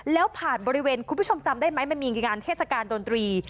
แล้วผ่านบริเวณคุณผู้ชมจำได้ไหมมันมีงานเทศกาลดนตรี